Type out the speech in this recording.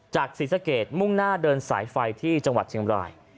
ศรีสะเกดมุ่งหน้าเดินสายไฟที่จังหวัดเชียงบราย